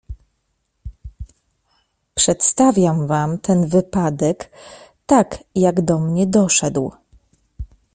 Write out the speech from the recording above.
"Przedstawiam wam ten wypadek tak, jak do mnie doszedł."